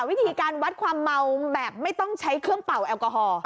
วิธีการวัดความเมาแบบไม่ต้องใช้เครื่องเป่าแอลกอฮอล์